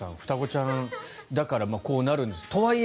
双子ちゃんだからこうなるんです。